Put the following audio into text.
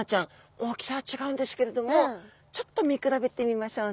大きさは違うんですけれどもちょっと見比べてみましょうね。